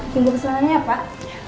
tunggu pesanannya pak